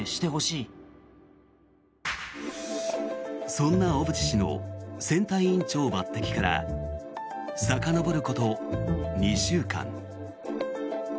そんな小渕氏の選対委員長抜てきからさかのぼること２週間。